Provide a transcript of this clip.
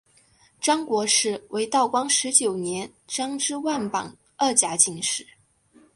张国士为道光十九年张之万榜二甲进士。